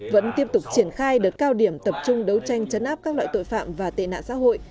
vẫn tiếp tục triển khai đợt cao điểm tập trung đấu tranh chấn áp các loại tội phạm và tệ nạn xã hội